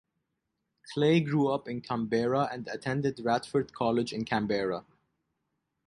Clay grew up in Canberra and attended Radford College in Canberra.